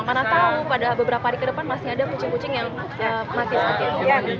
mana tahu pada beberapa hari ke depan masih ada kucing kucing yang mati seperti itu